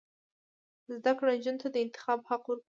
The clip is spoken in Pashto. زده کړه نجونو ته د انتخاب حق ورکوي.